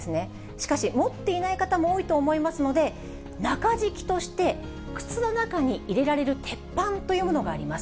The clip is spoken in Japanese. しかし持っていない方も多いと思いますので、中敷きとして靴の中に入れられる鉄板というものがあります。